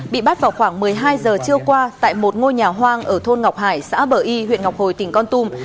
bị bắt vào khoảng một mươi hai giờ trưa qua tại một ngôi nhà hoang ở thôn ngọc hải xã bờ y huyện ngọc hồi tỉnh con tum